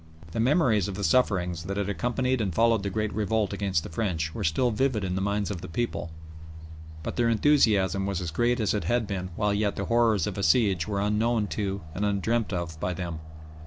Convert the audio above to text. The memories of the sufferings that had accompanied and followed the great revolt against the French were still vivid in the minds of the people, but their enthusiasm was as great as it had been while yet the horrors of a siege were unknown to and undreamt of by them.